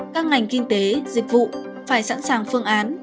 các ngành kinh tế dịch vụ phải sẵn sàng phương án